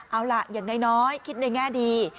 เอาล่ะอย่างน้อยคิดในแง่ดี